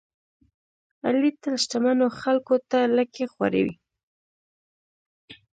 علي تل شتمنو خلکوته لکۍ خوروي.